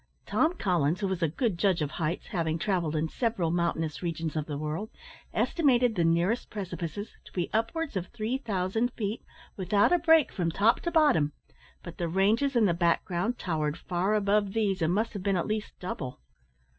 Tom Collins, who was a good judge of heights, having travelled in several mountainous regions of the world, estimated the nearest precipices to be upwards of three thousand feet, without a break from top to bottom, but the ranges in the background towered far above these, and must have been at least double.